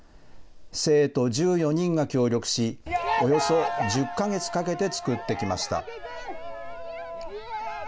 生徒１４人が協力し、およそ１０か月かけて作ってきました。